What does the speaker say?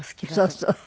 そうそう。